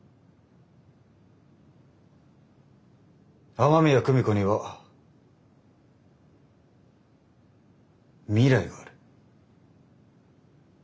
雨宮久美子には未来がある。